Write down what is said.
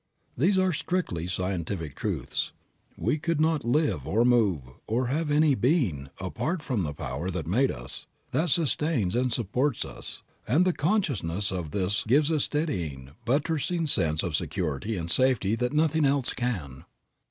These are strictly scientific truths. We could not live or move or have any being apart from the Power that made us, that sustains and supports us, and the consciousness of this gives a steadying, buttressing sense of security and safety that nothing else can.